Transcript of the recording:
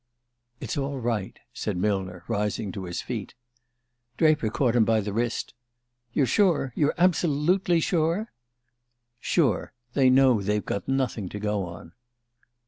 "It's all right," said Millner, rising to his feet. Draper caught him by the wrist. "You're sure you're absolutely sure?" "Sure. They know they've got nothing to go on."